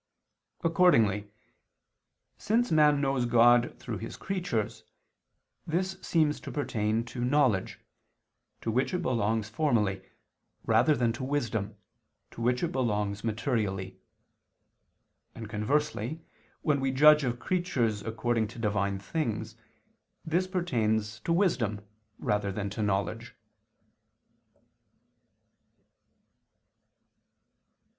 Accordingly, since man knows God through His creatures, this seems to pertain to "knowledge," to which it belongs formally, rather than to "wisdom," to which it belongs materially: and, conversely, when we judge of creatures according to Divine things, this pertains to "wisdom" rather than to "knowledge."